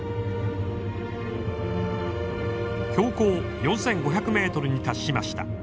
標高４，５００ｍに達しました。